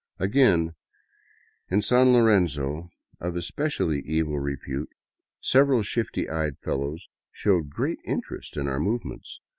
Again, in San Lorenzo, of especially evil repute, several shifty eyed fellows showed great interest in our movements.